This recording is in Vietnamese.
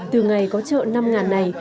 từ ngày có chợ năm này